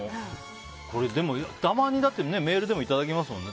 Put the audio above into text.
これ、たまにメールでもいただきますよね。